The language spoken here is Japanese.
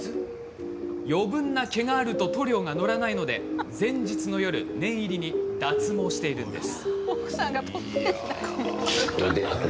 余分な毛があると塗料が乗らないので、前日の夜念入りに脱毛しているんです。